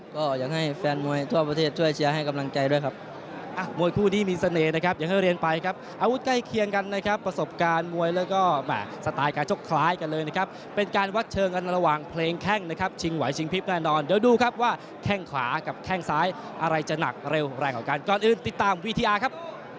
ก็อยากให้แฟนมวยทั่วประเทศช่วยเชียร์ให้กำลังใจด้วยครับ